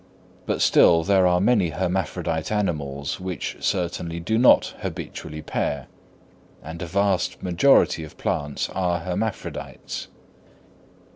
But still there are many hermaphrodite animals which certainly do not habitually pair, and a vast majority of plants are hermaphrodites.